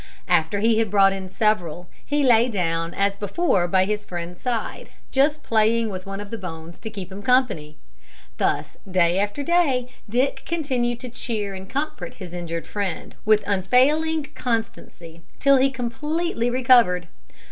After he had brought in several, he lay down as before by his friend's side, just playing with one of the bones to keep him company. Thus day after day Dick continued to cheer and comfort his injured friend with unfailing constancy till he completely recovered.